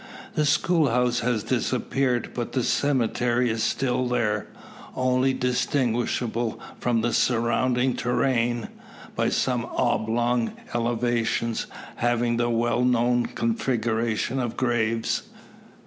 The schoolhouse has disappeared, but the cemetery is still there only distinguishable from the surrounding terrain by some oblong elevations, having the well known configuration of graves.